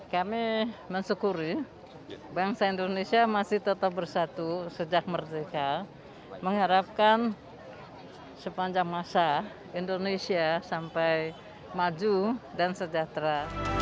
kami mensyukuri bangsa indonesia masih tetap bersatu sejak merdeka mengharapkan sepanjang masa indonesia sampai maju dan sejahtera